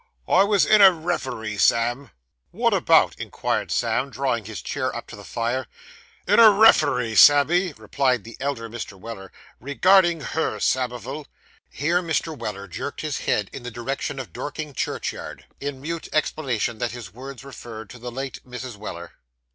'I was in a referee, Sammy.' 'Wot about?' inquired Sam, drawing his chair up to the fire. 'In a referee, Sammy,' replied the elder Mr. Weller, 'regarding her, Samivel.' Here Mr. Weller jerked his head in the direction of Dorking churchyard, in mute explanation that his words referred to the late Mrs. Weller.